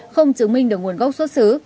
không chứng minh được nguồn gốc xuất xứ